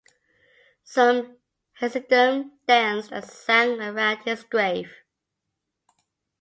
Some Hasidim danced and sang around his grave.